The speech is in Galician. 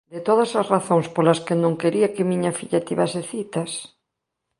De todas as razóns polas que non quería que miña filla tivese citas...